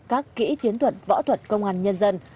các kỹ chiến thuật võ thuật công an nhân dân